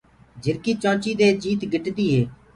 جھرڪي چونچي دي جيت گِٽدي هي۔